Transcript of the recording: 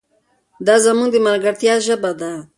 دا زموږ د ملګرتیا ژبه ده.